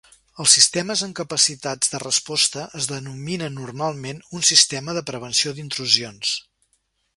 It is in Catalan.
Els sistemes amb capacitats de resposta es denominen normalment un sistema de prevenció d'intrusions.